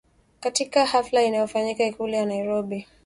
katika hafla iliyofanyika Ikulu ya Nairobi